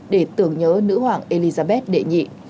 để tưởng nhớ nữ hoàng anh